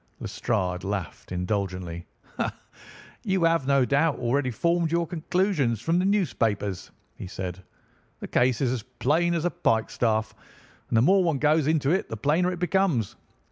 Lestrade laughed indulgently. "You have, no doubt, already formed your conclusions from the newspapers," he said. "The case is as plain as a pikestaff, and the more one goes into it the plainer it becomes.